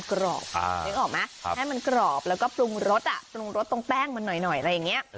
นึกออกไหมให้มันกรอบแล้วก็ปรุงรสอ่ะปรุงรสตรงแป้งมันหน่อยอะไรอย่างนี้